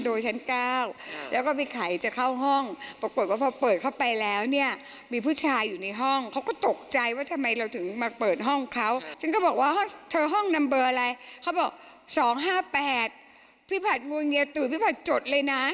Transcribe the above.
เบอร์อะไรเขาบอก๒๕๘พี่ผัดงวงเงียตุ๋นพี่ผัดจดเลยนะ